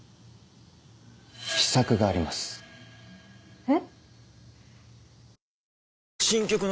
秘策があります。え？